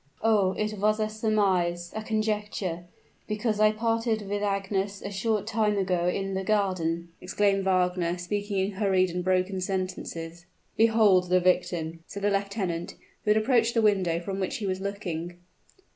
"Oh! it was a surmise a conjecture because I parted with Agnes a short time ago in the garden," exclaimed Wagner, speaking in hurried and broken sentences. "Behold the victim!" said the lieutenant, who had approached the window, from which he was looking.